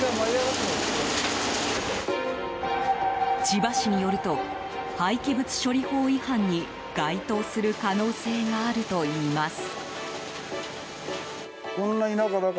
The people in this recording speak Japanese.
千葉市によると廃棄物処理法違反に該当する可能性があるといいます。